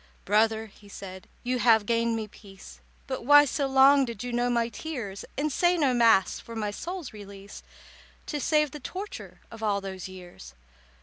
"Brother," he said, "you have gained me peace, But why so long did you know my tears, And say no Mass for my soul's release, To save the torture of all those years?"